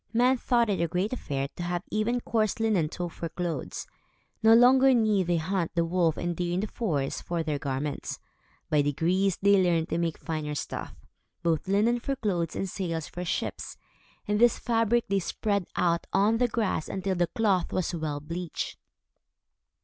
Men thought it a great affair to have even coarse linen tow for clothes. No longer need they hunt the wolf and deer in the forest, for their garments. By degrees, they learned to make finer stuff, both linen for clothes and sails for ships, and this fabric they spread out on the grass until the cloth was well bleached.